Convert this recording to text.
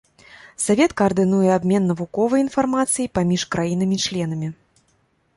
Савет каардынуе абмен навуковай інфармацыяй паміж краінамі-членамі.